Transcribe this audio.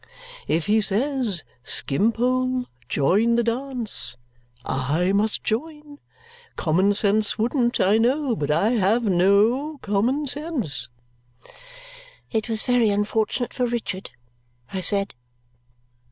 If he says, 'Skimpole, join the dance!' I must join it. Common sense wouldn't, I know, but I have NO common sense." It was very unfortunate for Richard, I said.